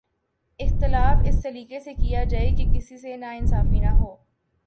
اختلاف اس سلیقے سے کیا جائے کہ کسی سے ناانصافی نہ ہو